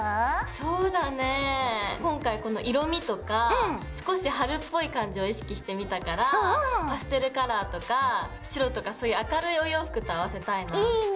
そうだね今回この色みとか少し春っぽい感じを意識してみたからパステルカラーとか白とかそういう明るいお洋服と合わせたいな。いいね！